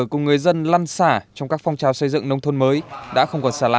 cùng người dân lăn xả trong các phong trào xây dựng nông thôn mới đã không còn xả lạ